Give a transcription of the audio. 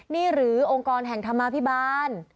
นี่หรือองค์กรแห่งธรรมาภิบาล